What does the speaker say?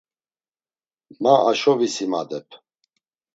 Ma aşo visimadep.